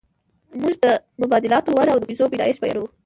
موږ د مبادلاتو وده او د پیسو پیدایښت بیانوو